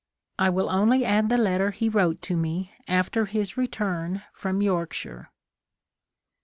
I will only add the letter he wrote to me after his return from Yorkshire.